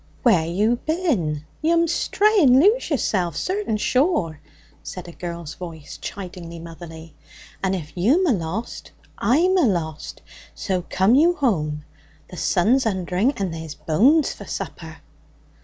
'Where you bin? You'm stray and lose yourself, certain sure!' said a girl's voice, chidingly motherly. 'And if you'm alost, I'm alost; so come you whome. The sun's undering, and there's bones for supper!'